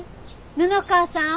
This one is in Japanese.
布川さん？